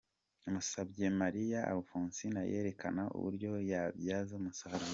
Musabyemariya Alphonsine yerekana uburyo ayabyaza umusaruro.